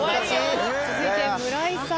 続いて村井さん。